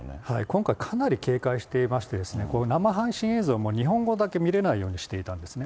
今回かなり警戒していまして、生配信映像も日本語だけ見れないようにしていたんですね。